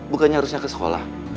bukannya harusnya ke sekolah